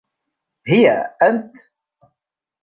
هي، أنت!